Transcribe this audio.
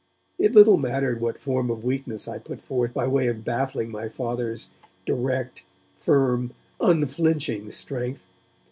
It little mattered what form of weakness I put forth by way of baffling my Father's direct, firm, unflinching strength.